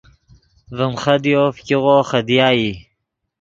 ڤیم خدیو فګیغو خدیا ای